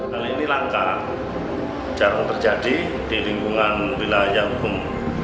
hal ini langka jarang terjadi di lingkungan wilayah hukum